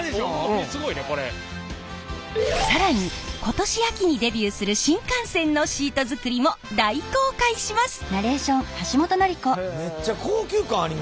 更に今年秋にデビューする新幹線のシート作りも大公開します！